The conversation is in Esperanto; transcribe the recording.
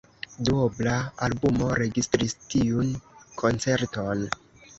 Duobla albumo registris tiun koncerton.